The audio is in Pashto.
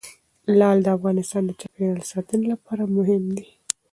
لعل د افغانستان د چاپیریال ساتنې لپاره مهم دي.